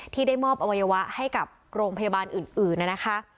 ที่ได้มอบอวัยวะให้กับโรงพยาบาลอื่นนะคะ